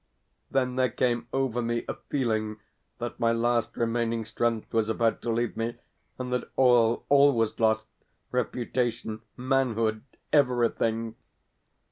Then there came over me a feeling that my last remaining strength was about to leave me, and that all, all was lost reputation, manhood, everything!